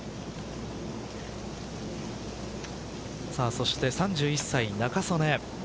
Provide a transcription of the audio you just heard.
そして３１歳、仲宗根。